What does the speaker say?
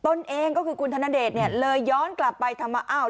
ตนเองก็คือคุณธนเดชเนี่ยเลยย้อนกลับไปทำมาอ้าว